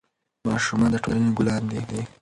ماشومان د ټولنې ګلان دي.